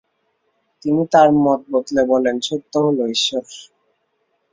তিনি তার মত বদলে বলেন, সত্য হল ঈশ্বর।